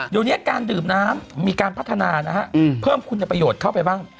เดี๋ยวนี้การดื่มน้ำมีการพัฒนานะฮะเพิ่มคุณประโยชน์เข้าไปบ้าง